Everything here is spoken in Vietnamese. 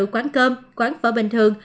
quán cơm quán phở bình thường